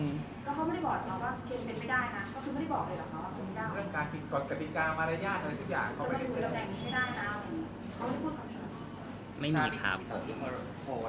แล้วเขาไม่ได้บอกว่าเกมเป็นไม่ได้นะเขาคือไม่ได้บอกเลยหรือเปล่า